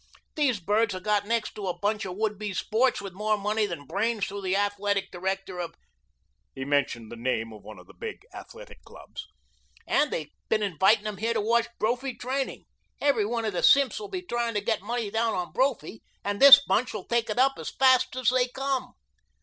"These birds have got next to a bunch of would be sports with more money than brains through the athletic director of " he mentioned the name of one of the big athletic clubs "and they been inviting 'em here to watch Brophy training. Every one of the simps will be tryin' to get money down on Brophy, and this bunch will take it all up as fast as they come.